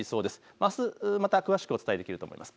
あすまた詳しくお伝えできると思います。